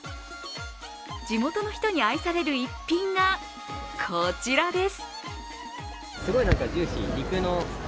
地元の人に愛される逸品が、こちらです。